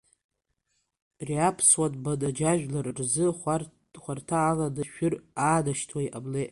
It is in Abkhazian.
Ари Аԥсуа нбан аџьажәлар рзы хәарҭа аланы, шәыр аанашьҭуа иҟамлеит.